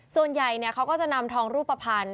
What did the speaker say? ส่วนใหญ่เขาก็จะนำทองรูปภัณฑ์